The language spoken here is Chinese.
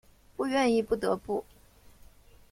不愿意不得不